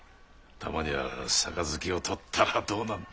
たまには杯を取ったらどうなんだ？